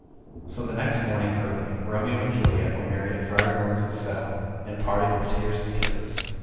So the next morning early, Romeo and Juliet were married at Friar Laurence's cell, and parted with tears and kisses.